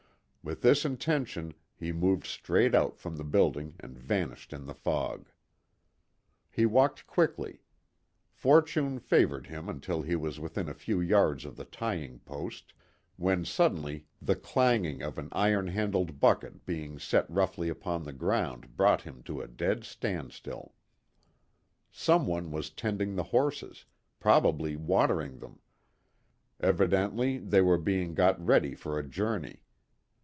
With this intention he moved straight out from the building and vanished in the fog. He walked quickly. Fortune favored him until he was within a few yards of the tying post, when suddenly the clanging of an iron handled bucket being set roughly upon the ground brought him to a dead standstill. Some one was tending the horses probably watering them. Evidently they were being got ready for a journey.